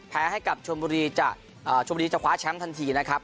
แพ้กับชวนบุรีจากธรรมดีจะคว้าแฉมป์ทันทีนะครับ